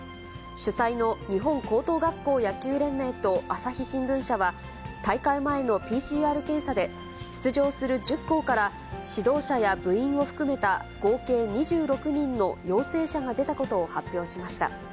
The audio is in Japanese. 主催の日本高等学校野球連盟と、朝日新聞社は、大会前のＰＣＲ検査で、出場する１０校から指導者や部員を含めた合計２６人の陽性者が出たことを発表しました。